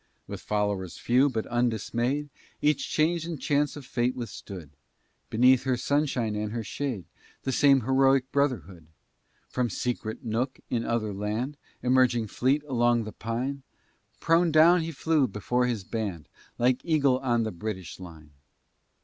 With followers few, but undismay'd, Each change and chance of fate withstood, Beneath her sunshine and her shade, The same heroic brotherhood! From secret nook, in other land, Emerging fleet along the pine, Prone down he flew before his band, Like eagle on the British line!